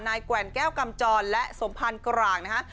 แกว่นแก้วกำจรและสมพันธ์กลางนะฮะ